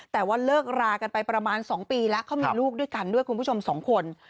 แต่ว่าเลิกรากันไปประมาณ๒ปีแล้วเขามีลูกด้วยกันด้วยคุณผู้ชมสองคน